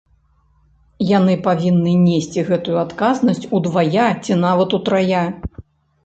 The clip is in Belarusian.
Яны павінны несці гэтую адказнасць удвая ці нават утрая.